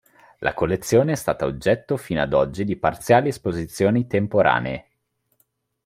La collezione è stata oggetto fino ad oggi di parziali esposizioni temporanee.